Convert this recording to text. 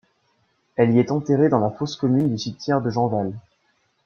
Elle y est enterrée dans la fosse commune du cimetière de Janval.